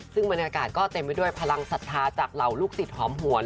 ซึ่งบรรยากาศก็เต็มไปด้วยพลังศรัทธาจากเหล่าลูกศิษย์หอมหวน